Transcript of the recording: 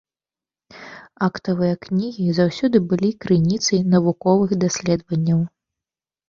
Актавыя кнігі заўсёды былі крыніцай навуковых даследаванняў.